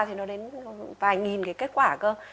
thì nó đến vài nghìn cái kết quả cơ